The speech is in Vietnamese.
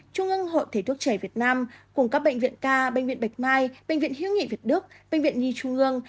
trung ương hội thầy thuốc trẻ việt nam cùng các bệnh viện ca bệnh viện bạch mai bệnh viện hiếu nghị việt đức bệnh viện nhi trung ương